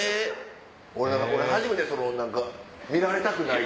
俺初めて見られたくない！